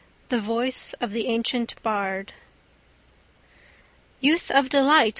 THE VOICE OF THE ANCIENT BARD Youth of delight!